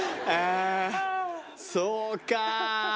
そうか。